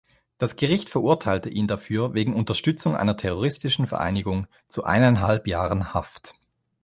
Das Gericht verurteilte ihn dafür wegen Unterstützung einer terroristischen Vereinigung zu eineinhalb Jahren Haft.